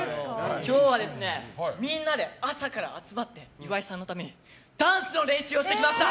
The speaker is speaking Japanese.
今日はみんなで朝から集まって岩井さんのためにダンスの練習をしてきました！